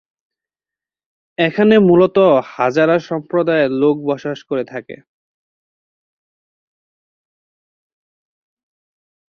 এখানে মুলত হাজারা সম্প্রদায়ের লোক বসবাস করে থাকে।